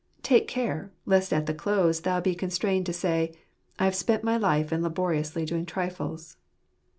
Take care, lest at the close thou be constrained to say, " I have spent my life in laboriously doing trifles."